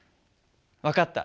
分かった。